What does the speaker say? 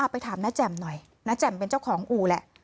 ไปถามน้าแจ่มหน่อยน้าแจ่มเป็นเจ้าของอู่แหละ